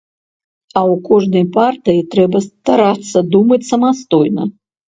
А ў кожнай партыі трэба старацца думаць самастойна.